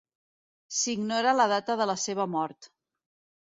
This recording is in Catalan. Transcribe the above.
S'ignora la data de la seva mort.